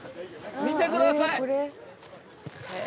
見てください。